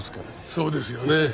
そうですよね。